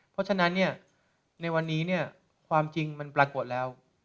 เพราะฉะนั้นในวันนี้ความจริงมันปรากฏแล้ว